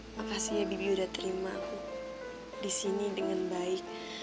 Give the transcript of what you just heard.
makasih ya bibi udah terima aku disini dengan baik